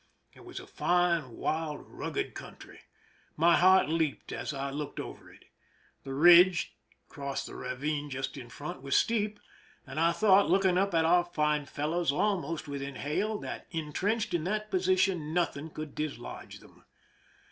It was a fine, wild, rugged country. My heart leaped as I looked over it. The ridge, across the ravine just in front, was steep, and I thought, looking up at our fine fellows, almost within hail, that, intrenched in that position, nothing could dislodge them.